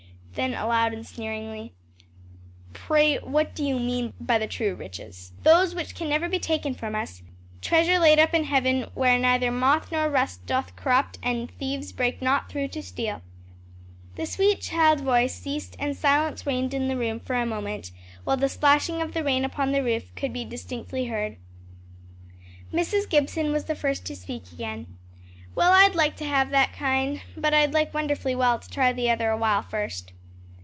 Then aloud and sneeringly, "Pray what do you mean by the true riches?" "Those which can never be taken from us; treasure laid up in heaven where neither moth nor rust doth corrupt and thieves break not through to steal." The sweet child voice ceased and silence reigned in the room for a moment, while the splashing of the rain upon the roof could be distinctly heard. Mrs. Gibson was the first to speak again. "Well I'd like to have that kind, but I'd like wonderfully well to try the other a while first."